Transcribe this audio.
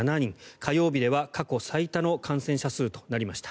火曜日では過去最多の感染者数となりました。